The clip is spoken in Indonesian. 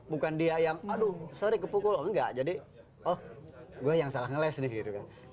bukan dia yang aduh sorry kepukul oh enggak jadi oh gue yang salah ngeles nih gitu kan